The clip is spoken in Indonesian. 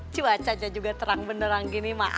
cuacanya juga terang benerang gini